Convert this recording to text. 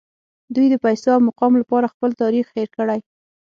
دوی د پیسو او مقام لپاره خپل تاریخ هیر کړی